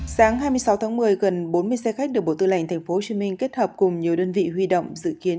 sáng hai mươi sáu tháng một mươi gần bốn mươi xe khách được bộ tư lệnh tp hcm kết hợp cùng nhiều đơn vị huy động dự kiến